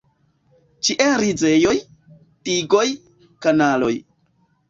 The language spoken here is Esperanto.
Ĉie rizejoj, digoj, kanaloj.